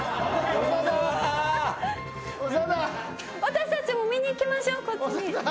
私たちも見にいきましょうこっちに。